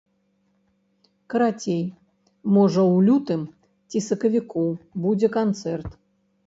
Карацей, можа ў лютым ці сакавіку будзе канцэрт.